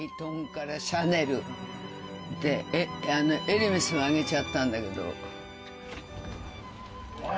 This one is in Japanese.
エルメスはあげちゃったんだけど。